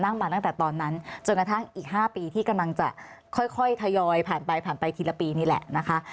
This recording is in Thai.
มาตั้งแต่ตอนนั้นจนกระทั่งอีก๕ปีที่กำลังจะค่อยทยอยผ่านไปผ่านไปทีละปีนี่แหละนะคะ